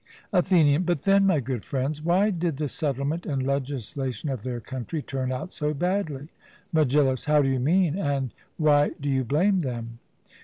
ATHENIAN: But then, my good friends, why did the settlement and legislation of their country turn out so badly? MEGILLUS: How do you mean; and why do you blame them?